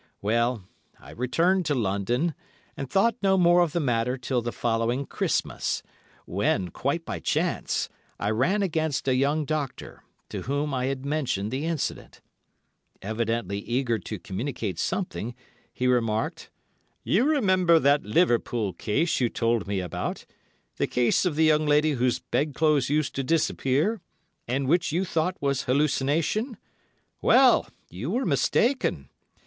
Well, I returned to London, and thought no more of the matter till the following Christmas, when, quite by chance, I ran against a young doctor, to whom I had mentioned the incident. Evidently eager to communicate something, he remarked, "You remember that Liverpool case you told me about—the case of the young lady whose bedclothes used to disappear, and which you thought was hallucination? Well, you were mistaken.